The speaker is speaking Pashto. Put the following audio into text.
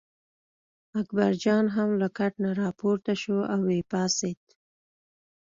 اکبرجان هم له کټ نه راپورته شو او یې پاڅېد.